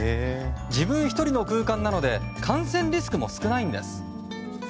自分１人の空間なので感染リスクも少ないんです。